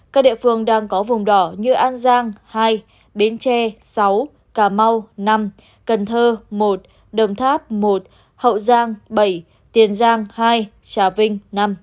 các địa phương đang có vùng đỏ như an giang hai bến tre sáu cà mau năm cần thơ một đồng tháp một hậu giang bảy tiền giang hai trà vinh